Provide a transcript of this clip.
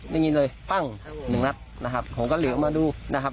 ได้ยินเลยปั้งหนึ่งนัดนะครับผมก็เหลือมาดูนะครับ